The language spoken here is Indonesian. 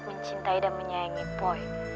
mencintai dan menyayangi poi